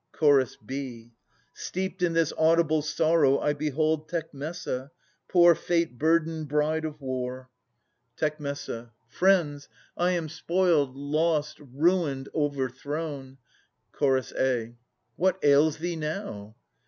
Ch. b. Steeped in this audible sorrow I behold Tecmessa, poor fate burdened bride of war. G 2 84 Aias [896 924 Tec. Friends, I am spoiled, lost, ruined, overthrown! Ch. a. What ails thee now?